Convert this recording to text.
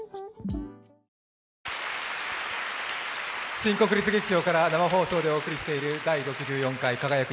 新国立劇場から生放送でお送りしている、「第６４回輝く！